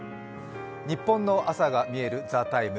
ニッポンの朝がみえる「ＴＨＥＴＩＭＥ，」